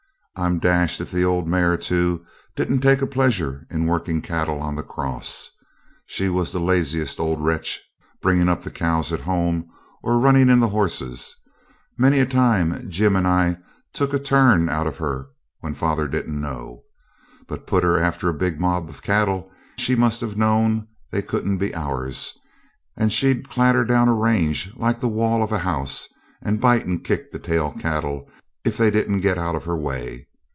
I'm dashed if the old mare, too, didn't take a pleasure in working cattle on the cross. She was the laziest old wretch bringing up the cows at home, or running in the horses. Many a time Jim and I took a turn out of her when father didn't know. But put her after a big mob of cattle she must have known they couldn't be ours and she'd clatter down a range like the wall of a house, and bite and kick the tail cattle if they didn't get out of her way.